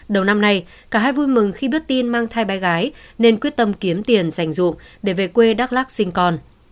đầu năm nay cả hai vui mừng khi biết tin mang thai bé gái nên quyết tâm kiếm tiền dành dụng để về quê đắk lắc sinh con